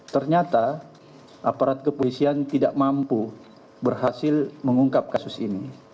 ternyata aparat kepolisian tidak mampu berhasil mengungkap kasus ini